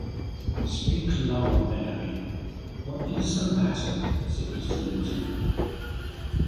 ‘Speak lower, Mary — What is the matter?’ said Mr. Linton.